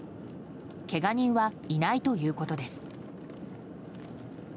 けが人はいないということです。